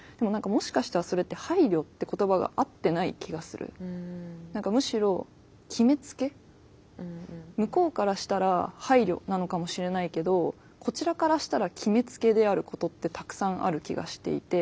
ただ何かむしろ向こうからしたら配慮なのかもしれないけどこちらからしたら決めつけであることってたくさんある気がしていて。